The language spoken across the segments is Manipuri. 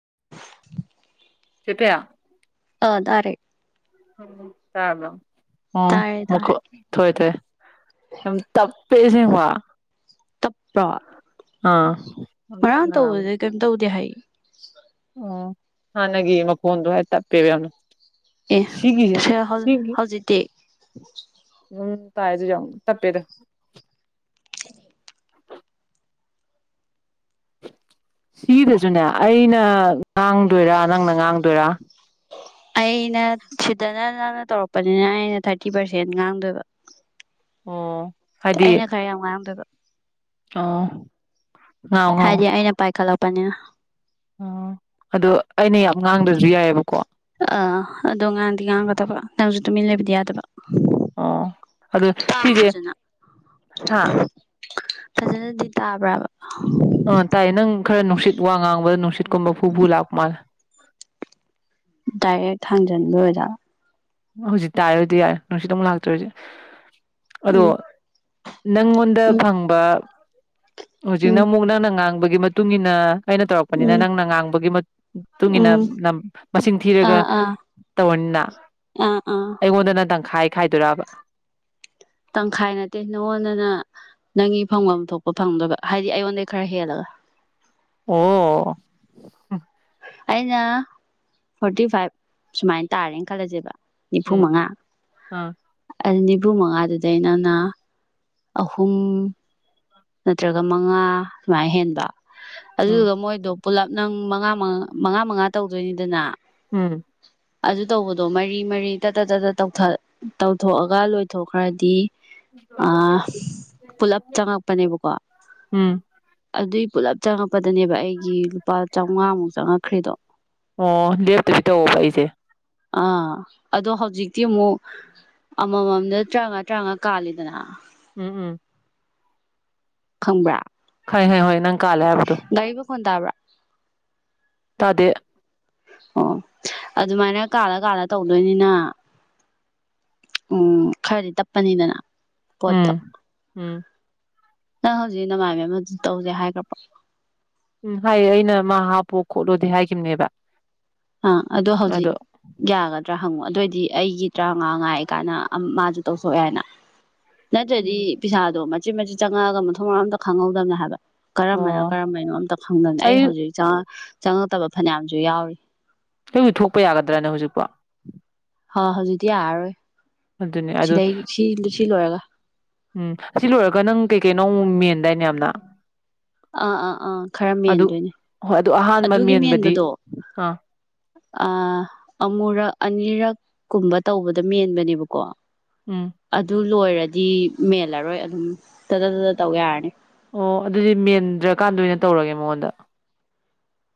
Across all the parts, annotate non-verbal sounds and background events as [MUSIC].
[INAUDIBLE] ꯆꯦ ꯄꯦ ꯑ ꯇꯥꯔꯦ ꯇꯥꯔꯕꯣ ꯑ ꯇꯥꯔꯦ ꯇꯥꯔꯦ ꯃꯈꯣꯟ ꯊꯣꯛꯑꯦ ꯊꯣꯛꯑꯦ ꯌꯥꯝ ꯇꯞ ꯄꯦ ꯑꯁꯦꯡꯕ ꯇꯞꯄ꯭ꯔꯣ ꯑꯥ ꯌꯥꯝ ꯉꯔꯥꯡ ꯇꯞꯅ ꯉꯥꯡꯕ ꯇꯧꯕꯗꯨꯗꯤ ꯀꯩꯝ ꯇꯧꯗꯦ ꯍꯥꯏꯌꯦ ꯑꯣ ꯍꯥꯟꯅꯒꯤ ꯃꯈꯣꯟꯗꯣ ꯍꯥꯏ ꯇꯞꯄꯦꯕ ꯌꯥꯝꯅ ꯁꯤꯒꯤꯁꯦ ꯑꯦ ꯍꯧ ꯁꯤꯒꯤ ꯍꯧꯖꯤꯇꯤ ꯑꯗꯨꯝ ꯇꯥꯥꯏ ꯑꯗꯨꯁꯨ ꯌꯥꯝ ꯇꯞꯄꯦꯗ [INAUDIBLE] ꯁꯤꯗꯁꯨꯅꯦ ꯑꯩꯅ ꯉꯥꯡꯗꯣꯏꯔꯥ ꯅꯪꯅ ꯉꯥꯡꯗꯣꯏꯔꯥ ꯑꯩꯅ ꯁꯤꯗꯅ ꯅꯪꯅ ꯇꯧꯔꯛꯄꯅꯤꯅ ꯑꯩꯅ ꯊꯥꯔꯇꯤ ꯄꯥꯔꯁꯦꯟ ꯉꯥꯡꯗꯣꯏꯕ ꯑꯣ ꯍꯥꯏꯗꯤ ꯑꯩꯅ ꯈꯔ ꯌꯥꯝ ꯉꯥꯡꯗꯣꯢꯕ ꯑꯣ ꯉꯥꯡꯉꯣ ꯉꯥꯡꯉꯣ ꯍꯥꯏꯗꯤ ꯑꯩꯅ ꯄꯥꯏꯈꯠꯂꯛꯄꯅꯤ ꯑꯣ ꯑꯗꯨ ꯑꯥ ꯑꯗꯣ ꯉꯥꯡꯗꯤ ꯉꯥꯡꯒꯗꯕ ꯅꯪꯁꯨ ꯇꯨꯃꯤꯟ ꯂꯩꯕꯗꯤ ꯌꯥꯗꯕ ꯑꯣ ꯑꯗꯣ ꯇꯥꯕ꯭ꯔꯣ ꯁꯤꯁꯦ ꯐꯖꯟꯅ ꯊꯥ ꯐꯖꯟꯅꯗꯤ ꯇꯥꯕ꯭ꯔꯥꯕ ꯑꯥ ꯇꯥꯏꯌꯦ ꯅꯪ ꯈꯔ ꯅꯨꯡꯁꯤꯠ ꯋꯥ ꯉꯥꯡꯕꯗ ꯅꯨꯡꯁꯤꯠꯀꯨꯝꯕ ꯐꯨꯐꯨ ꯂꯥꯛꯄ ꯃꯥꯜꯂꯦ ꯗꯥꯏꯔꯦꯛ ꯊꯥꯡꯖꯟꯕꯩ ꯑꯣꯢꯖꯥꯠꯂꯥ ꯍꯧꯖꯤꯛ ꯇꯥꯏꯔꯗꯤ ꯌꯥꯔꯦ ꯅꯨꯡꯁꯤꯠꯇꯣ ꯑꯃꯨꯛ ꯂꯥꯛꯇ꯭ꯔꯦ ꯍꯧꯖꯤꯛ ꯑꯗꯣ ꯎꯝ ꯅꯪꯉꯣꯟꯗ ꯎꯝ ꯐꯪꯕ ꯍꯧꯖꯤꯛꯅ ꯎꯝ ꯑꯃꯨꯛ ꯅꯪꯅ ꯉꯥꯡꯕꯒꯤ ꯃꯇꯨꯡ ꯏꯟꯅ ꯑꯩꯅ ꯇꯧꯔꯛꯄꯅꯤꯅ ꯎꯝ ꯅꯪꯅ ꯉꯥꯡꯕꯒꯤ ꯃꯇꯨꯡ ꯏꯟꯅ ꯎꯝ ꯅ ꯃꯁꯤꯡ ꯊꯤꯔꯒ ꯑꯥ ꯑꯥ ꯇꯧꯔꯅꯤꯅ ꯑꯥ ꯑꯥ ꯑꯩꯉꯣꯟꯗꯅ ꯇꯪꯈꯥꯏ ꯈꯥꯏꯗꯣꯏꯣꯔꯕ ꯇꯪꯈꯥꯏ ꯅꯠꯇꯦ ꯅꯉꯣꯟꯗꯅ ꯅꯪꯒꯤ ꯐꯪꯐꯝ ꯊꯣꯛꯄ ꯐꯪꯗꯣꯏꯕ ꯍꯥꯏꯗꯤ ꯑꯩꯉꯣꯟꯗꯩ ꯈꯔ ꯍꯦꯜꯂꯒ ꯑꯣ ꯑꯩꯅ ꯐꯣꯔꯇꯤ ꯐꯥꯏꯚ ꯁꯨꯃꯥꯏꯅ ꯇꯥꯔꯦꯅ ꯈꯜꯂꯁꯦꯕ ꯎꯝ ꯅꯤꯐꯨꯃꯉꯥ ꯑꯥ ꯑꯗꯨ ꯅꯤꯐꯨ ꯃꯉꯥꯗꯨꯗꯩꯅꯪꯅ ꯑꯍꯨꯝ ꯅꯠꯇ꯭ꯔꯒ ꯃꯉꯥ ꯁꯨꯃꯥꯏ ꯍꯦꯟꯕ ꯎꯝ ꯑꯗꯨꯗꯨꯒ ꯃꯣꯏꯗꯣ ꯄꯨꯂꯞ ꯅꯪ ꯃꯉꯥ ꯃꯉꯥ ꯃꯉꯥ ꯇꯧꯗꯣꯏꯅꯤꯗꯅ ꯎꯝ ꯑꯗꯨ ꯇꯧꯕꯗꯣ ꯃꯔꯤ ꯃꯔꯤ ꯇꯠꯇꯠ ꯇꯠꯇꯠ ꯇꯧ ꯇꯧꯊꯣꯛꯑꯒ ꯂꯣꯏꯊꯣꯛꯈ꯭ꯔꯗꯤ ꯑ ꯄꯨꯂꯞ ꯆꯪꯉꯛꯄꯅꯦꯕꯀꯣ ꯎꯝ ꯑꯗꯨꯏ ꯄꯨꯂꯞ ꯆꯪꯉꯛꯄꯗꯅꯦꯕ ꯑꯩꯒꯤ ꯂꯨꯄꯥ ꯆꯥꯃꯉꯥꯃꯨꯛ ꯆꯪꯉꯛꯈ꯭ꯦꯗꯣ ꯑꯣ ꯗꯦꯞꯇ ꯄꯤ ꯇ ꯄꯥꯏꯁꯦ ꯑꯥ ꯑꯗꯣ ꯍꯧꯖꯤꯛꯇꯤ ꯑꯃꯨꯛ ꯑꯃꯃꯝꯗ ꯇꯔꯥꯃꯉꯥ ꯇꯔꯥꯃꯉꯥ ꯀꯥꯜꯂꯤꯗꯅ ꯎꯝ ꯎꯝ ꯈꯪꯕ꯭ꯔꯥ ꯍꯣꯏ ꯍꯣꯏ ꯍꯣꯏ ꯅꯪ ꯀꯥꯜꯂꯦ ꯍꯥꯏꯕꯗꯣ ꯍꯟ ꯇꯕ꯭ꯔꯥ ꯇꯗ ꯑꯣ ꯑꯗꯨꯃꯥꯏꯅ ꯀꯥꯜꯂ ꯀꯥꯜꯂ ꯇꯧꯗꯣꯏꯅꯤꯅ ꯎꯝ ꯈꯔꯗꯤ ꯇꯞꯄꯅꯤꯗꯅ ꯄꯣꯠꯇꯣ ꯎꯝ ꯎꯝ ꯅꯪ ꯍꯧꯖꯤꯛ ꯅꯃꯥꯏꯕ ꯑꯃ ꯑꯗꯨ ꯇꯧꯁꯦ ꯍꯥ ꯏꯈ꯭ꯔꯕ ꯄꯣ ꯈꯣꯠꯂꯣꯗꯤ ꯍꯥꯏꯈꯤꯕꯅꯦꯕ ꯑꯥ ꯑꯣ ꯍꯧꯖꯤꯛ ꯑꯗꯣ ꯌꯥꯒꯗ꯭ꯔꯥ ꯍꯪꯉꯨ ꯑꯗꯨꯑꯣꯏꯗꯤ ꯑꯩꯒꯤ ꯇꯔꯥꯃꯉꯥ ꯉꯥꯏ ꯀꯥꯏꯅ ꯃꯥꯁꯨ ꯇꯧꯊꯣꯛꯦ ꯍꯥꯏꯅ ꯅꯠꯇ꯭ꯔꯗꯤ ꯎꯝ ꯄꯩꯁꯥꯗꯣ ꯃꯆꯦꯠ ꯃꯆꯦꯠ ꯆꯪꯉꯛꯑꯒ ꯃꯊꯣꯡ ꯃꯔꯝꯇ ꯈꯪꯍꯧꯗꯕꯅ ꯍꯥꯏꯕ ꯀꯔꯝꯕꯅꯣ ꯑꯣ ꯀꯔꯝꯕꯅꯣ ꯑꯝꯇ ꯈꯪꯗꯅꯤ ꯑꯩ ꯍꯧꯖꯤꯛ ꯆꯪꯉꯛꯇꯕ ꯐꯅꯌꯥꯝꯁꯨ ꯌꯥꯎꯔꯤ ꯍꯧ ꯊꯣꯛꯄ ꯌꯥꯒꯗ꯭ꯔꯅꯦ ꯍꯧꯖꯤꯛꯄ ꯍ ꯍꯧꯖꯤꯛꯇꯤ ꯌꯥꯔꯔꯣꯏ ꯑꯗꯨꯅꯦ ꯑꯗꯨ ꯁꯤꯗꯩ ꯁꯤ ꯁꯤ ꯂꯣꯏꯔꯒ ꯎꯝ ꯑꯁꯤ ꯂꯣꯏꯔꯒ ꯅꯪ ꯀꯩꯀꯩꯅꯣ ꯃꯦꯟꯗꯥꯏꯅꯦ ꯌꯥꯝꯅ ꯑꯥ ꯑꯥ ꯑꯥ ꯈꯔ ꯑꯗꯨ ꯃꯦꯟꯗꯣꯏꯅꯦ ꯍꯣꯏ ꯑꯗꯨ ꯑꯍꯥꯟꯕ ꯃꯦꯟꯕꯗꯤ ꯑꯥ ꯑ ꯑꯃꯨꯔꯛ ꯑꯅꯤꯔꯛ ꯀꯨꯝꯕ ꯇꯧꯕꯗ ꯃꯦꯟꯕꯅꯦꯕꯀꯣ ꯎꯝ ꯑꯗꯨ ꯂꯣꯏꯔꯗꯤ ꯃꯦꯜꯂꯔꯣꯏ ꯑꯗꯨꯝ ꯇꯇ ꯇꯠꯇ ꯇꯧ ꯌꯥꯔꯅꯤ ꯑꯣ ꯑꯗꯨꯗꯤ ꯃꯦꯟꯗ꯭ꯔꯀꯥꯟꯗ ꯑꯣꯏꯅ ꯇꯧꯔꯒꯦ ꯃꯉꯣꯟꯗ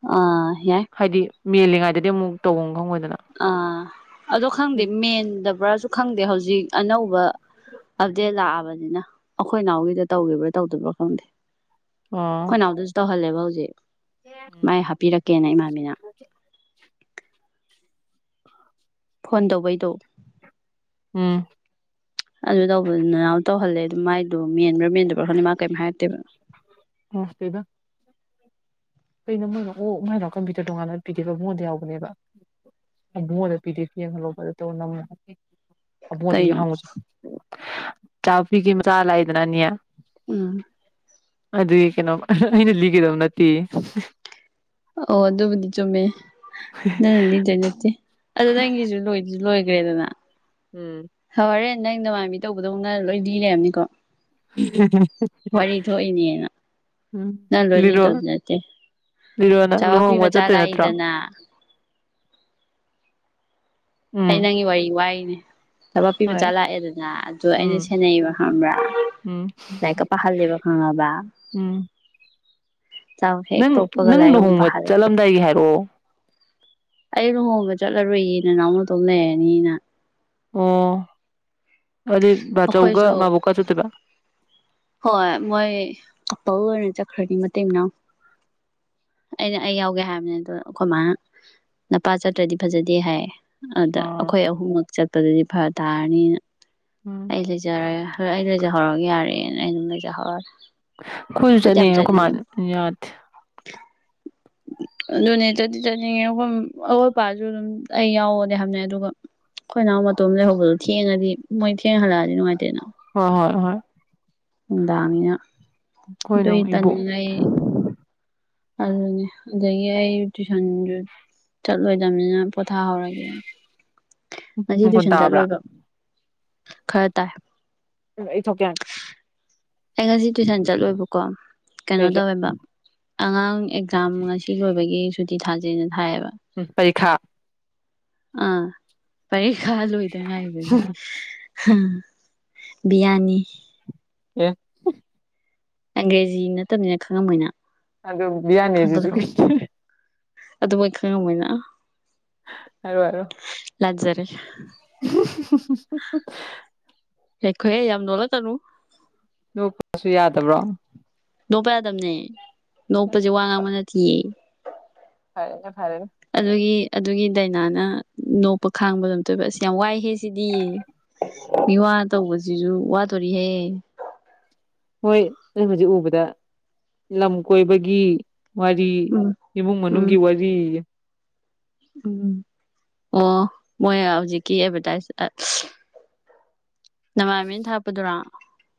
ꯑꯥ ꯌꯥꯏ ꯍꯥꯏꯗꯤ ꯃꯦꯜꯂꯤꯉꯩꯗꯗꯤ ꯑꯃꯨꯛ ꯇꯧꯐꯝ ꯈꯪꯉꯗꯦ ꯑꯥ ꯑꯗꯣ ꯈꯪꯗꯦ ꯃꯦꯟꯗꯕ꯭ꯔꯥꯁꯨ ꯈꯪꯗꯦ ꯍꯧꯖꯤꯛ ꯑꯅꯧꯕ ꯑꯗꯨꯗꯦ ꯂꯥꯛꯑꯕꯅꯤꯅ ꯑꯩꯈꯣꯏ ꯏꯅꯥꯎꯒꯤꯗ ꯇꯧꯈꯤꯕ꯭ꯔꯥ ꯇꯧꯗꯕ꯭ꯔꯥ ꯈꯪꯗꯦ ꯑꯣ ꯑꯩꯣꯏꯅꯥꯎꯗꯁꯨ ꯇꯧꯍꯜꯂꯦꯕ ꯍꯧꯖꯤꯛ ꯃꯥꯏ ꯍꯥꯞꯄꯤꯔꯛꯀꯦꯅ ꯏꯃꯥꯕꯤꯅ ꯐꯣꯟ ꯇꯧꯕꯩꯗꯣ ꯎꯝ ꯑꯗꯨ ꯇꯧꯕꯗꯨꯅ ꯇꯧꯍꯜꯂꯦ ꯑꯗꯨꯥꯏꯗꯨ ꯃꯦꯟꯕ꯭ꯔꯥ ꯃꯦꯟꯗꯕ꯭ꯔꯥ ꯈꯪꯅ ꯃꯥ ꯀꯩꯝꯥꯏ ꯍꯥꯏꯔꯛꯇꯦꯕ ꯃꯁꯦꯗ ꯀꯩꯅꯣ ꯃꯣꯏꯅ ꯑꯣ ꯃꯥꯏꯅ ꯀꯝꯄ꯭ꯌꯨꯇꯔ ꯇꯣꯉꯥꯟꯅ ꯄꯤꯒꯦꯈꯤꯕ ꯃꯉꯣꯟꯗ ꯌꯥꯎꯕꯅꯦꯕ ꯃꯗ ꯄꯤꯗꯤꯁꯤꯤꯡꯕ ꯇ ꯅ ꯑꯕꯣꯗꯤ ꯌꯥ ꯀꯩꯅꯣ ꯍꯪꯉꯨꯁꯨ ꯆꯥꯛꯕꯤꯒꯤ ꯃꯆꯥ ꯂꯥꯛꯏꯗꯅꯅꯤ ꯎꯝ ꯑꯗꯨ ꯀꯩꯅꯩꯅꯣ ꯑꯩꯅ ꯂꯤꯒꯦꯗ ꯅ ꯑꯣ ꯑꯗꯨꯕꯨꯗꯤ ꯆꯨꯝꯃꯦ ꯅꯪꯅ ꯂꯤꯗꯣꯏ ꯅꯠꯇꯦ ꯑꯗ ꯅꯪꯒꯤꯁꯨ ꯂꯣꯏꯗ ꯂ ꯀ꯭ꯔꯦꯗꯅ ꯎꯝ ꯅꯪ ꯅꯉꯥꯏꯕꯤ ꯇꯧꯕꯗꯧꯅ ꯂꯣꯏ ꯂꯤ ꯂꯩꯕꯅꯤꯀꯣ ꯎꯝ ꯎꯝ ꯋꯥꯔꯤ ꯊꯣꯛꯏꯅꯦꯅ ꯎꯝ ꯅꯪ ꯂꯣꯏ ꯂꯤꯔꯣ ꯂꯤꯗꯧꯗꯤ ꯅꯠꯇꯦ ꯂꯤꯔꯣ ꯅꯪ ꯆꯔꯄꯤ ꯂꯨꯍꯣꯡꯕ ꯃꯆꯥ ꯆꯠꯇꯣꯏ ꯅꯠꯇ꯭ꯔꯣ ꯂꯥꯛꯏꯗꯅ ꯑꯩ ꯎꯝ ꯅꯪꯒꯤ ꯋꯥꯔꯤ ꯋꯥꯅꯦ ꯊꯕꯥꯛꯄꯤ ꯃꯆꯥ ꯍꯣꯏ ꯂꯥꯛꯑꯦꯗꯅ ꯑꯗꯣ ꯑꯩꯅ ꯎꯝ ꯁꯦꯟꯅꯩꯕ ꯈꯪꯕ꯭ꯔꯥ ꯎꯝ ꯇꯥꯏꯀꯣ ꯄꯍꯔꯗꯕ ꯈꯥꯉꯕ [UNINTELLIGIBLE] ꯆ ꯍꯦ ꯅꯪ ꯇꯣꯞꯄꯒ ꯅꯪ ꯂꯨꯍꯣꯡꯕ ꯂꯍꯔꯦ ꯆꯠꯂꯝꯗꯥꯏꯒꯤ ꯍꯥꯏꯔꯛꯑꯣ ꯑꯩ ꯂꯨꯍꯣꯡꯕ ꯆꯠꯂꯔꯨꯏꯌꯦꯅ ꯅꯅꯥꯎꯅ ꯇꯣꯝ ꯂꯩꯅꯤꯅ ꯑꯣ ꯑꯗꯨꯗꯤ ꯚ ꯆꯧꯒ ꯑꯩꯈꯣꯏꯁꯨ ꯃꯥꯕꯨꯣꯛꯀ ꯆꯠꯇꯦꯕ ꯍꯣꯏ ꯠꯇꯦꯡꯅ ꯑꯩꯅ ꯑꯩ ꯌꯥꯎꯒꯦ ꯍꯥꯏꯕꯅꯦ ꯑꯗꯣ ꯑꯩꯈꯣꯏ ꯃꯥꯅ ꯅꯄꯥ ꯆꯠꯇ꯭ꯔꯗꯤ ꯐꯖꯗꯦ ꯍꯥꯏ ꯑꯗ ꯑꯥ ꯑꯩꯈꯣꯏ ꯑꯍꯨꯝꯃꯛ ꯆꯠꯄꯗꯗꯤ ꯐꯔ ꯇꯥꯔꯅꯤꯅ ꯎꯝ ꯑꯩ ꯂꯩꯖꯔꯦ ꯍꯣꯏ ꯑꯩ ꯂꯩꯖꯍꯧꯔꯒ ꯌꯥꯔꯦꯅ ꯑꯩ ꯑꯗꯨꯝ ꯂꯩꯖꯍꯧꯔꯦ ꯈꯖꯅꯤ ꯑꯣꯃꯥꯟ ꯌꯥꯗ [UNINTELLIGIBLE] ꯑꯗꯨꯅꯦ ꯆꯠꯗꯤ ꯆꯠꯅꯤꯡꯉꯦ ꯑꯩꯣꯏ ꯑꯋꯥꯣꯠ ꯑꯄꯥꯁꯨ ꯑꯗꯨꯝ ꯑꯩ ꯌꯥꯎꯑꯣꯅꯦ ꯍꯝꯅ ꯑꯗꯨꯒ ꯑꯩꯈꯣꯏ ꯅꯅꯥꯍꯎ ꯃꯇꯣꯝ ꯂꯩꯍꯧꯕꯗꯣ ꯊꯦꯡꯉꯗꯤ ꯃꯣꯏ ꯊꯦꯡ ꯍꯜꯂꯛꯑꯗꯤ ꯅꯨꯡꯉꯥꯏꯇꯦꯅ ꯍꯣꯏ ꯍꯣꯏ ꯍꯣꯏ ꯑꯦꯅꯤꯅ ꯑꯩꯈꯣꯏ ꯑꯗꯣ ꯅꯨꯡ ꯏꯕꯣꯛ ꯇꯅꯤꯡ ꯑꯩ ꯑ ꯁꯟ ꯆꯠꯂꯣꯏꯗꯅꯤꯅ ꯄꯣꯊꯥꯍꯧꯔꯒꯦ ꯉ ꯃꯈꯣꯟ ꯇꯨꯏꯁꯟ ꯇꯥꯕ꯭ꯔꯥ ꯆꯠꯂꯣꯏꯕ ꯈꯔ ꯇꯥꯏ ꯏꯊꯣ ꯀꯌꯥꯀ ꯑꯩ ꯉꯁꯤ ꯇꯨꯏꯁꯟ ꯆꯠꯂꯣꯏꯕꯀꯣ ꯀꯩꯅꯣ ꯀꯩꯒꯤ ꯇꯧꯋꯦꯕ ꯑꯉꯥꯡ ꯑꯦꯛꯖꯥꯝ ꯉꯁꯤ ꯂꯣꯏꯕꯒꯤ ꯁꯨꯇꯤ ꯊꯥꯖꯩꯅ ꯊꯥꯏꯌꯦꯕ ꯎꯝ ꯄꯔꯤꯈꯥ ꯑꯥ ꯄꯔꯤꯈꯥ ꯂꯣꯏꯗ ꯉꯥꯏꯕꯒꯤꯝ ꯕꯤꯌꯥꯅꯤ ꯑꯦ ꯑꯪꯒ꯭ꯔꯦꯖꯤ ꯅꯠꯇꯕꯅꯤꯅ ꯈꯪꯉꯕꯣꯏꯅ ꯑꯗꯨꯗ ꯕꯤꯌꯥꯅꯤꯁꯤꯁꯨ ꯑꯗꯨ ꯃꯣꯏ ꯈꯪꯉꯣꯏꯅ ꯑꯔ ꯑꯔ ꯂꯖꯔꯤ [UNINTELLIGIBLE] ꯍꯦꯈꯣꯏꯦ ꯌꯥꯝ ꯅꯣꯂ ꯇꯅꯨ ꯅ ꯀꯁꯨ ꯌꯥꯗꯕ꯭ꯔꯣ ꯅꯣꯛꯞꯄ ꯌꯥꯗꯕꯅꯦ ꯅꯣꯛꯄꯁꯦ ꯋꯥ ꯉꯥꯡꯕ ꯅꯠꯇꯤꯌꯦ ꯍꯥꯏ ꯑꯗꯨꯒꯤ ꯑꯗꯨꯒꯤ ꯗꯥꯏꯅꯥꯅ ꯅꯣꯛꯄ ꯈꯥꯡꯕꯗꯣꯝ ꯇꯣꯏꯕ ꯑꯁ ꯌꯥꯝ ꯋꯥꯏꯍꯦ ꯁꯤꯗꯤ ꯃꯤꯋꯥ ꯇꯧꯕꯁꯤꯁꯨ ꯋꯥꯗꯣꯔꯤꯍꯦ ꯍꯣꯏ ꯅ ꯍꯧꯖꯤꯛ ꯎꯕꯗ ꯂꯝ ꯀꯣꯏꯕꯒꯤ ꯋꯥꯔꯤ ꯎꯝ ꯏꯃꯨꯡ ꯎꯝ ꯃꯅꯨꯡꯒꯤ ꯋꯥꯔꯤ ꯎꯝ ꯑꯣ ꯃꯣꯏ ꯍꯧꯖꯤꯛꯀꯤ ꯑꯦꯚꯔꯇꯥꯏ ꯅꯃꯥꯏꯃꯦꯦꯟ ꯊꯥꯛꯞꯄꯗꯨꯔꯥ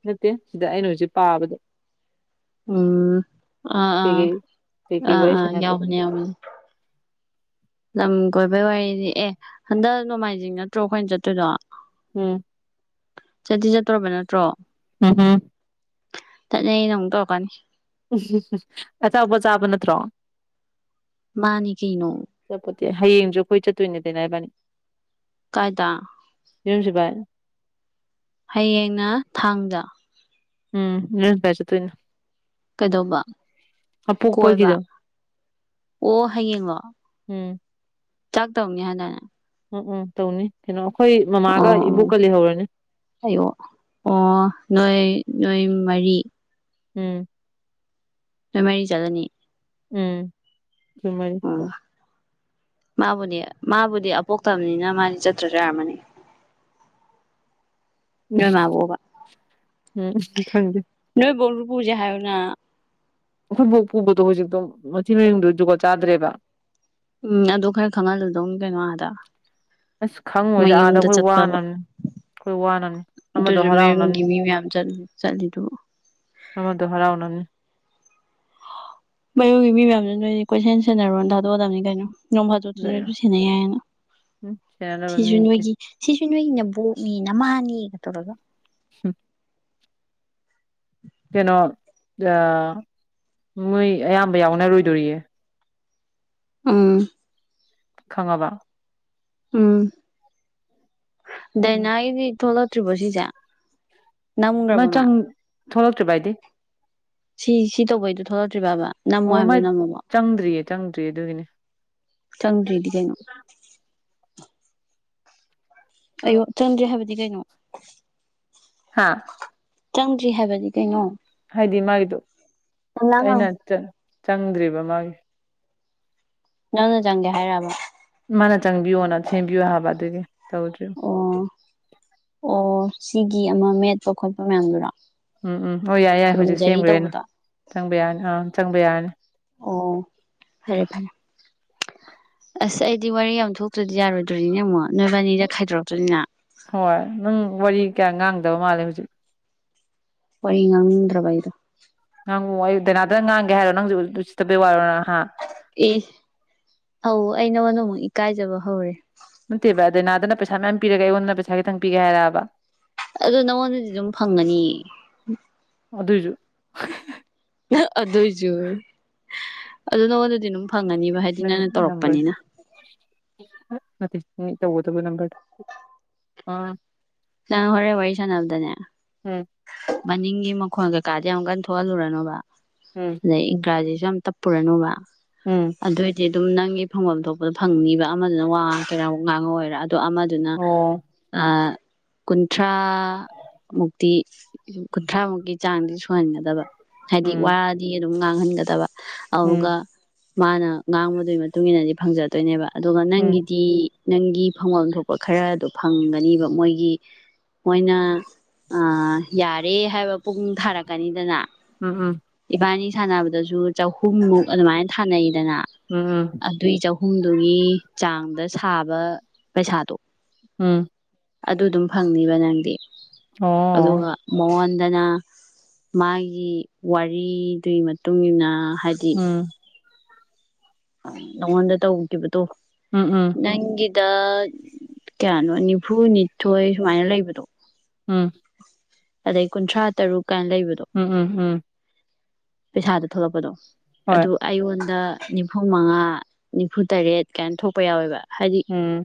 ꯅꯠꯇꯦ ꯁꯤꯗ ꯑꯩꯅ ꯍꯧꯖꯤꯛ ꯄꯥꯕꯗ ꯎꯝ ꯑꯥ ꯑꯥ ꯀꯩꯀꯩ ꯀꯩꯀꯩ ꯑꯥ ꯋꯥꯔꯤ ꯑꯥ ꯌꯥꯎꯃꯅꯤ ꯁꯥꯟꯅꯒꯗꯕꯅꯣ ꯌꯥꯎꯅꯤ ꯂꯝ ꯀꯣꯏꯕꯩ ꯋꯥꯔꯤꯅꯤ ꯑꯦ ꯍꯟꯗꯛ ꯅꯣꯡꯃꯥꯏꯖꯤꯡ ꯅꯠꯇ꯭ꯔꯣ ꯑꯩꯈꯣꯏꯅ ꯆꯠꯇꯣꯏꯗꯣ ꯎꯝ ꯆꯇꯤ ꯆꯠꯇ꯭ꯔꯕ ꯅꯠꯇ꯭ꯔꯣ ꯎꯝ ꯎꯝ ꯆꯠꯅꯩ ꯅꯣꯡ ꯇꯧꯑꯀꯅꯤ ꯎ ꯑꯆꯧꯕ ꯆꯥꯕ ꯅꯠꯇ꯭ꯔꯣ ꯃꯥꯅꯤ ꯀꯩꯅ ꯑꯆꯥꯄꯣꯠꯇꯤ ꯍꯌꯦꯡꯁꯨ ꯑꯩꯈꯣꯏ ꯆꯠꯇꯣꯏꯅꯦꯗꯅꯕꯅꯤ ꯀꯥꯏꯗ ꯌꯨꯝꯁꯤ ꯚꯥꯏ ꯍꯌꯦꯡꯅ ꯊꯥꯡꯗ ꯎꯝ ꯃꯤꯄ ꯆ ꯇꯅ ꯀꯩꯗꯧꯕ ꯀꯣꯏꯕ ꯑꯄꯣꯛꯄꯒꯤꯗꯣ ꯑꯣ ꯍꯡꯉꯣ ꯎꯝ ꯆꯥꯛ ꯇꯣꯡ ꯍꯥꯏꯅ ꯎꯝ ꯎꯝ ꯇꯧꯅꯤ ꯀꯩꯅꯣ ꯑꯩꯈꯣꯏ ꯃꯃꯥꯒ ꯑꯣ ꯏꯕꯣꯛꯀ ꯂꯩꯍꯧꯔꯅꯤ ꯑꯣ ꯑꯣ ꯑꯣ ꯅꯣꯏ ꯅꯣꯏ ꯃꯔꯤ ꯎꯝ ꯃꯃꯔꯤ ꯆꯗꯅꯤ ꯎꯝ ꯁꯃꯥꯏ ꯃꯥꯕꯨꯗꯤ ꯃꯥꯕꯨꯗꯤ ꯑꯄꯣꯛꯇꯕꯅꯤꯅ ꯃꯥꯗꯤ ꯆꯠꯇ꯭ꯔꯁꯨ ꯌꯥꯔꯝꯃꯅꯤ [UNINTELLIGIBLE] ꯎꯝ ꯅꯣꯏ ꯃꯥꯕꯣꯕ ꯎꯝ ꯎꯝ ꯊꯪꯗꯦ ꯄꯕꯨꯖꯥ ꯍꯥꯏꯅ ꯑꯩꯈꯣꯏꯐꯥꯎ ꯄꯨꯕꯗꯣ ꯍꯧꯖꯤꯛꯇꯣ ꯃꯊꯤ ꯃꯌꯨꯡꯗꯨꯣ ꯖꯨꯒꯠ ꯆꯥꯗ꯭ꯔꯦꯕ ꯎꯝ ꯑꯗꯨ ꯈꯔ ꯈꯪꯍꯜꯂꯗꯧ ꯀꯩꯅꯣ ꯑꯗ ꯑꯁ ꯈꯪꯉꯣꯏꯗ ꯑꯥꯗ ꯑꯩꯈꯣꯏ ꯋꯥꯅꯅꯤ ꯑꯩꯈꯣꯏ ꯋꯥꯅꯅꯤ ꯑꯃꯗꯣ ꯑꯗꯨꯁꯨ ꯍꯔꯥꯎꯅꯅꯤ ꯃꯌꯨꯝꯒꯤ ꯃꯤ ꯃꯌꯥꯝ ꯆꯠꯂꯤꯗꯨꯕꯨ ꯃꯃꯗꯨ ꯍꯔꯥꯎꯅꯅꯤ ꯃꯌꯨꯒꯤ ꯃꯤ ꯃꯌꯥꯝꯗꯨ ꯅꯣꯏ ꯀꯣꯏꯁꯦꯟ ꯁꯦꯟꯅꯔꯣꯅ ꯊꯥꯗꯣꯛꯑꯗꯕꯅꯤ ꯀꯩꯅꯣ ꯅꯣꯡ ꯐꯥꯗꯣꯛꯇꯤ ꯑꯗꯩ ꯅꯣꯏꯁꯨ ꯁꯦꯟꯅꯩ ꯌꯥꯏꯌꯦꯅ ꯎꯝ ꯁꯦꯟꯅꯅꯕ ꯁꯤꯁꯨ ꯃꯤꯗꯤ ꯅꯣꯏꯒꯤ ꯁꯤꯁꯨ ꯅꯣꯏꯅꯦꯕꯣꯛꯅꯤ ꯅꯃꯥꯅꯤꯒ ꯇꯧꯔꯒ ꯑ ꯀꯩꯅꯣ ꯃꯣꯏ ꯑꯌꯥꯝꯕ ꯌꯥꯎꯅꯔꯣꯏꯗꯣꯔꯤꯌꯦ ꯎꯝ ꯈꯪꯉꯕ ꯎꯝ ꯗꯅꯥꯒꯤ ꯊꯣꯂ ꯆꯠꯇ꯭ꯔꯤꯕꯣ ꯁꯤꯁꯦ ꯅꯪꯃꯨꯈ꯭ꯔꯕ ꯃꯥ ꯊꯣꯛꯂꯛꯇ꯭ꯔꯣ ꯥꯏꯗꯤ ꯁꯤ ꯁꯤ ꯇꯧꯕꯣꯏꯗꯨ ꯊꯣꯔꯣꯇ꯭ꯔꯤ ꯕꯥ ꯑꯣ ꯃꯥꯏ ꯆꯪꯗ꯭ꯔꯤꯌꯦ ꯆꯪꯗ꯭ꯔꯤꯌꯦ ꯑꯗꯨꯒꯤꯅꯦ ꯆꯪꯗ꯭ꯔꯤꯗꯤ ꯀꯩꯅꯣ ꯑꯩꯌꯣ ꯆꯪꯗ꯭ꯔꯦ ꯍꯥꯏꯕꯗꯤ ꯀꯩꯅꯣ ꯍꯥ ꯆꯪꯗ꯭ꯔꯤ ꯍꯥꯏꯕꯗꯤ ꯀꯩꯅꯣ ꯍꯥꯏꯗꯤ ꯃꯥꯒꯤꯗꯣ ꯑꯩꯅ ꯆꯪꯗ꯭ꯔꯤꯕ ꯃꯥꯒꯤ ꯅꯪꯅ ꯆꯪꯒꯦ ꯍꯥꯏꯔꯛꯑꯕ ꯃꯥꯅ ꯆꯪꯕꯤꯌꯣꯅ ꯁꯦꯝꯕꯤꯌꯣ ꯍꯥꯏꯕ ꯑꯗꯨꯒꯤ ꯇꯧꯗ꯭ꯨ ꯑꯣ ꯑꯣ ꯁꯤꯒꯤ ꯑꯃ ꯃꯦꯠꯄ ꯈꯣꯠꯄ ꯃꯌꯥꯝꯗꯨꯔꯣ ꯎꯝ ꯎꯝ ꯑꯣꯏ ꯌꯥꯏ ꯌꯥꯏ ꯍꯧꯖꯤꯛ ꯈꯨꯔꯨꯝꯖꯔꯤ ꯁꯦꯝꯈ꯭ꯔꯦꯅ ꯇꯧꯕꯗꯣ ꯆꯪꯕ ꯌꯥꯔꯅꯤ ꯑꯥ ꯆꯪꯕ ꯌꯥꯔꯅꯤ ꯑꯣ ꯐꯔꯦ ꯐꯔꯦ ꯑꯁ ꯑꯩꯗꯤ ꯋꯥꯔꯤ ꯌꯥꯝ ꯊꯣꯛꯇ꯭ꯔꯗꯤ ꯌꯥꯔꯣꯏꯗꯣꯔꯤꯅꯦ ꯑꯃꯨꯛ ꯅꯣꯏꯕꯥꯅꯤꯗ ꯈꯥꯏꯗꯣꯔꯛꯇꯣꯏꯅꯤꯅ ꯍꯣꯏ ꯅꯪ ꯋꯥꯔꯤ ꯀꯌꯥ ꯉꯥꯡꯗꯕ ꯃꯥꯜꯂꯦ ꯍꯧꯖꯤꯛ ꯄ ꯉꯥꯡꯗ꯭ꯔꯕꯥꯏꯔ ꯅꯪꯕꯨ ꯑꯩ ꯗꯥꯅꯥꯗꯪ ꯉꯥꯡꯒꯦ ꯍꯥꯏꯔꯣ ꯅꯪꯁꯨ ꯑꯗꯨ ꯆꯠꯇꯕꯩ ꯋꯥꯔꯣꯅꯍ ꯏ ꯑ ꯑꯩ ꯅꯉꯣꯟꯗ ꯑꯃꯨꯛ ꯏꯀꯥꯏꯖꯕ ꯍꯧꯔꯦ ꯅꯠꯇꯦꯕ ꯑꯗ ꯅꯥꯗꯅ ꯄꯩꯁꯥ ꯃꯌꯥꯝ ꯄꯤꯔꯒ ꯑꯩꯉꯣꯟꯗ ꯄꯩꯁꯥ ꯈꯤꯇꯪ ꯄꯤꯒꯦ ꯍꯥꯏꯔꯛꯑꯕ ꯑꯗꯨ ꯅꯉꯣꯟꯗꯗꯤ ꯑꯗꯨꯝ ꯐꯪꯒꯅꯤ ꯑꯗꯨꯏꯁꯨ ꯑꯗꫭꯏꯁꯨ ꯑꯩ ꯑꯗꯨ ꯅꯪꯉꫭꯟꯗꯗꯤ ꯐꯪꯉꯅꯤꯕ ꯍꯥꯏꯗꯤ ꯅꯪ ꯅꯪꯅ ꯇꯧꯔꯛꯄꯅꯤꯅ ꯇꯧꯕꯗꯕꯨ ꯅꯪꯒ ꯑ ꯅꯪ ꯍꯣꯔꯦ ꯋꯥꯔꯤ ꯁꯥꯟꯅꯕꯅꯕꯗꯅꯦ ꯎꯝ ꯃꯅꯤꯡꯒꯤ ꯃꯈꯣꯟ ꯀꯩꯀꯥꯗꯤ ꯑꯃꯨꯛ ꯀꯟꯅ ꯊꯣꯛꯍꯜꯂꯨꯔꯅꯨꯕ ꯑꯗꯩ ꯏꯪꯒ꯭ꯔꯥꯖꯤ ꯌꯥꯝ ꯇꯞꯄꯨꯔꯅꯨꯕ ꯎꯝ ꯎꯝ ꯑꯗꯨꯑꯣꯏꯗꯤ ꯑꯗꯨꯝ ꯅꯪꯒꯤ ꯐꯪꯐꯝ ꯊꯣꯛꯄꯗ ꯐꯪꯅꯤꯕ ꯑꯃꯗꯨꯅ ꯋꯥ ꯀꯩꯔ ꯉꯥꯡꯉ ꯑꯣꯏꯔꯥ ꯑꯗꯣ ꯑꯃꯗꯨꯅ ꯑꯣ ꯀꯨꯟꯊ꯭ꯔꯥ ꯃꯨꯛꯇꯤ ꯀꯨꯟꯊ꯭ꯔꯥꯃꯨꯛꯀꯤ ꯆꯥꯡꯗꯤ ꯁꯨꯍꯟꯒꯗꯕ ꯍꯥꯏꯗꯤ ꯎꯝ ꯋꯥꯔꯗꯤ ꯑꯗꯨꯝ ꯉꯥꯡꯍꯟꯒꯗꯕ ꯎꯝ ꯑꯗꯨꯒ ꯃꯥꯅ ꯉꯥꯡꯕꯗꯨꯒꯤ ꯃꯇꯨꯡ ꯏꯟꯅꯗꯤ ꯐꯪꯖꯗꯣꯏꯅꯦꯕ ꯑꯗꯨꯒ ꯎꯝ ꯅꯪꯒꯤꯗꯤ ꯅꯪꯒꯤ ꯐꯪꯐꯝ ꯊꯣꯛꯄ ꯈꯔꯗꯣ ꯐꯪꯒꯅꯤꯕ ꯃꯣꯏꯒꯤ ꯃꯣꯏꯅ ꯌꯥꯔꯦ ꯍꯥꯏꯕ ꯄꯨꯡ ꯊꯥꯔꯛꯀꯅꯤꯗꯅ ꯎꯝ ꯎꯝ ꯏꯕꯥꯅꯤ ꯁꯥꯟꯅꯕꯗꯁꯨ ꯆꯍꯨꯝꯃꯨꯛ ꯑꯗꯨꯃꯥꯏꯅ ꯁꯥꯅꯩꯗꯅ ꯎꯝ ꯎꯝ ꯑꯗꯨꯏ ꯆꯨꯝ ꯑꯍꯨꯝꯗꯨꯒꯤ ꯆꯥꯡꯗ ꯁꯥꯕ ꯄꯩꯁꯥꯗꯣ ꯎꯝ ꯑꯗꯨꯗꯨꯝ ꯐꯪꯅꯤꯕ ꯅꯪꯗꯤ ꯑꯗꯨꯒ ꯑꯣ ꯃꯉꯣꯟ ꯑꯗꯨꯅ ꯃꯥꯒꯤ ꯋꯥꯔꯤꯗꯨꯒꯤ ꯃꯇꯨꯡ ꯏ ꯃꯇꯨꯡꯏꯟꯅ ꯍꯥꯏꯗꯤ ꯎꯝ ꯅꯪꯉꯣꯟꯗ ꯇꯧꯈꯤꯕꯗꯣ ꯎꯝ ꯎꯝ ꯅꯪꯒꯤꯗ ꯀꯌꯥꯅꯣ ꯅꯤꯐꯨ ꯅꯤꯊꯣꯏ ꯁꯨꯃꯥꯏꯅ ꯂꯩꯕꯗꯣ ꯎꯝ ꯑꯗꯩ ꯀꯨꯟꯊ꯭ꯔꯥ ꯇꯔꯨꯛ ꯎꯝ ꯎꯝ ꯎꯝ ꯄꯩꯁꯥꯗ ꯊꯣꯛꯂꯛꯄꯗꯣ ꯍꯣꯏ ꯑꯗꯨ ꯑꯩꯉꯣꯟꯗ ꯅꯤꯐꯨ ꯃꯉꯥ ꯅꯤꯐꯨ ꯇꯔꯦꯠ ꯀꯥꯏꯅ ꯊꯣꯛꯄ ꯌꯥꯎꯋꯦꯕ ꯍꯥꯏꯗꯤ ꯎꯝ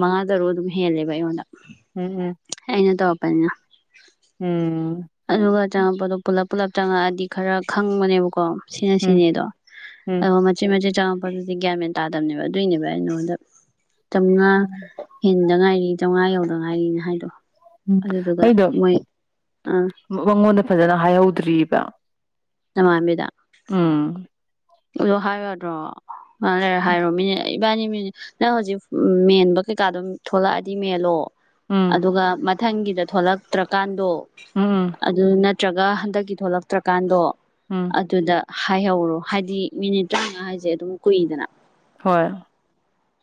ꯃꯉꯥ ꯇꯔꯨꯛ ꯑꯗꯨꯝ ꯍꯦꯜꯂꯦꯕ ꯑꯩꯉꯣꯟꯗ ꯎꯝ ꯎꯝ ꯑꯩꯅ ꯇꯣꯄꯅꯤꯅ ꯎꯝ ꯑꯗꯨꯒ ꯆꯪꯉꯛꯄꯗꯣ ꯄꯨꯂꯞ ꯄꯨꯜꯂꯞ ꯆꯪꯉꯛꯑꯗꯤ ꯈꯔ ꯈꯪꯕꯅꯦꯕꯀꯣ ꯁꯤꯅ ꯎꯝ ꯁꯤꯅꯦ ꯑꯗꯣ ꯎꯝ ꯑ ꯃꯆꯦꯠ ꯃꯆꯦꯠ ꯆꯥ ꯑꯗꯨꯗꯤ ꯒ꯭ꯌꯥꯃꯦꯟ ꯇꯥꯗꯕꯅꯦꯕ ꯑꯗꯨꯏꯅꯦꯕ ꯑꯩꯉꯣꯟꯗ ꯆꯥꯝꯃꯉꯥ ꯍꯦꯟꯗ ꯉꯥꯏꯔꯤ ꯆꯥꯝꯃꯉ ꯌꯧꯗꯅꯉꯥꯏꯔꯤꯅꯦ ꯍꯥꯏꯗꯣ ꯎꯝ ꯑꯗꯨꯗꯨꯒ ꯑꯩꯗꯣ ꯃꯣꯏ ꯑꯥ ꯃꯉꯣꯟꯗ ꯐꯖꯅ ꯍꯥꯏꯍꯧꯗ꯭ꯑꯔꯤꯕ ꯑꯃꯥꯡꯕꯤꯗ ꯑꯗꯨꯣ ꯍꯥꯏꯔꯗ꯭ꯔꯣ ꯉ ꯂꯩꯔꯦ ꯍꯥꯏꯔꯣ ꯃꯤꯅ ꯏꯕꯥꯅꯤꯅꯦ ꯅꯪ ꯍꯧꯖꯤꯛ ꯎ ꯃꯦꯟꯕ ꯀꯩꯀꯥ ꯑꯗꯨꯝ ꯊꯣꯛꯂꯛꯑꯗꯤ ꯃꯦꯜꯂꯣ ꯎꯝ ꯑꯗꯨꯒ ꯃꯊꯪꯒꯤꯗ ꯊꯣꯛꯂꯛꯇ꯭ꯔꯀꯥꯟꯗꯣ ꯎꯝ ꯎꯝ ꯑꯗꯨ ꯅ ꯅꯠꯇ꯭ꯔꯒ ꯍꯟꯗꯛꯀꯤ ꯊꯣꯛꯂꯛꯇ꯭ꯔꯀꯥꯟꯗꯣ ꯎꯝ ꯑꯗꯨꯗ ꯍꯥꯏꯍꯧꯔꯣ ꯍꯥꯏꯗꯤ ꯃꯤꯅꯤꯠ ꯇꯔꯥꯃꯉꯥ ꯍꯥꯏꯁꯦ ꯑꯗꯨꯝ ꯀꯨꯏꯗꯅ ꯍꯣꯏ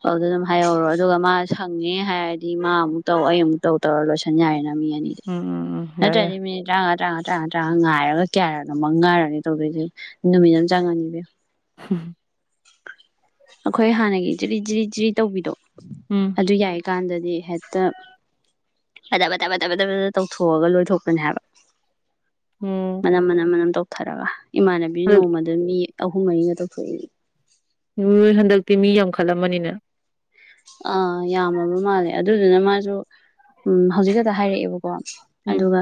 ꯑꯗꯨꯗ ꯑꯗꯨꯝ ꯍꯥꯏꯍꯧꯔꯣ ꯑꯗꯨꯒ ꯃꯥ ꯁꯪꯉꯦ ꯍꯥꯏꯔꯗꯤ ꯃꯥ ꯑꯃꯨꯛ ꯇꯧ ꯑꯩ ꯑꯃꯨꯛ ꯇꯧ ꯇꯧꯔ ꯂꯣꯏꯁꯟ ꯌꯥꯏꯅ ꯅꯤꯗ ꯎꯝ ꯎꯝ ꯎꯝ ꯌꯥꯏ ꯌꯥꯏ ꯅꯠꯇ꯭ꯔꯅꯤꯃꯤꯉ ꯇ ꯇꯔꯥ ꯇꯔꯥ ꯉꯥꯏꯔꯒ ꯀꯌꯥꯔꯅꯣꯃꯛ ꯉꯥꯏꯔꯅꯤ ꯇꯧꯗꯣꯏꯁꯦ ꯅꯨꯃꯤꯠ ꯑꯃ ꯆꯪꯉꯅꯤꯕꯣ ꯍꯝ ꯑꯩꯈꯣꯏ ꯍꯥꯟꯅꯒꯤ ꯖꯤꯔꯤ ꯖꯤꯔꯤ ꯖꯤꯔꯤ ꯇꯧꯕꯤꯗꯣ ꯎꯝ ꯑꯗꯨ ꯌꯥꯏꯀꯥꯟꯗꯗꯤ ꯍꯦꯛꯇ ꯐꯠꯇ ꯐꯊꯕ ꯐꯠꯇ ꯐꯊ ꯇꯧꯊꯣꯛꯑꯒ ꯂꯣꯏꯊꯣꯛꯄꯅꯦ ꯍꯥꯏꯕ ꯎꯝ ꯃꯅꯝ ꯃꯅꯝ ꯃꯅꯝ ꯇꯧ ꯊꯔꯒ ꯏꯃꯥꯟꯅꯕꯤ ꯅꯣꯡꯃꯗ ꯃꯤ ꯑꯍꯨꯝ ꯃꯔꯤꯒ ꯇꯧꯊꯣꯛꯏ ꯅ ꯍꯟꯗꯛꯇꯤ ꯃꯤ ꯌꯥꯝꯈꯠꯂꯝꯃꯅꯤꯅ ꯑꯥ ꯌꯥꯝꯃꯕ ꯃꯥꯜꯂꯦ ꯑꯗꯨꯗꯨꯅ ꯃꯥꯁꯨ ꯎꯝ ꯍꯧꯖꯤꯛ ꯈꯛꯇ ꯍꯥꯏꯔꯛꯑꯦꯕꯀꯣ ꯀꯣ ꯎꯝ ꯑꯗꯨꯒ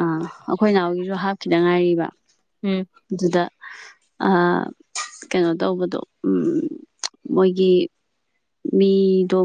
ꯑꯩꯈꯣꯏ ꯏꯅꯥꯎꯒꯤꯁꯨ ꯍꯥꯞꯈꯤꯗ ꯉꯥꯏꯔꯤꯕ ꯎꯝ ꯑꯗꯨꯗ ꯀꯩꯅꯣ ꯇꯧꯕꯗꯣ ꯃꯣꯏꯒꯤ ꯃꯤꯣ